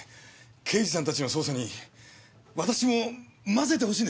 刑事さんたちの捜査に私も混ぜてほしいんです。